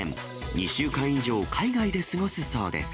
２週間以上、海外で過ごすそうです。